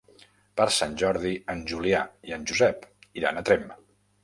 Per Sant Jordi en Julià i en Josep iran a Tremp.